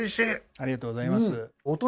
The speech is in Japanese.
ありがとうございます。